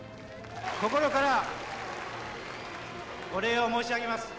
心から、お礼を申し上げます。